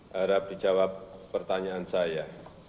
harap dijawab pertanyaan saya